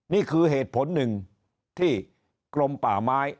นี่คือเหตุผลหนึ่งที่กรมป่าไม้